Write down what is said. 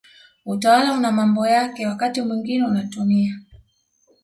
Utawala una mambo yake wakati mwingine unatumia